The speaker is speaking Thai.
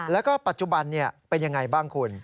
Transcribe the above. แล้วก็ปัจจุบันเป็นยังไงบ้างคุณ